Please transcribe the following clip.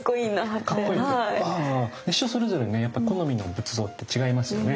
人それぞれねやっぱ好みの仏像って違いますよね。